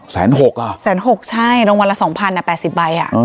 แสน๖อ่ะแสน๖ใช่รางวัลละ๒๐๐๐อ่ะ๘๐ใบอ่ะ